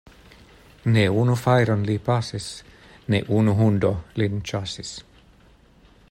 Ne unu fajron li pasis, ne unu hundo lin ĉasis.